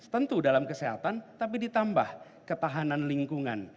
tentu dalam kesehatan tapi ditambah ketahanan lingkungan